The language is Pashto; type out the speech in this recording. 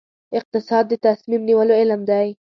اقتصاد د تصمیم نیولو علم دی